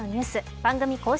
番組公式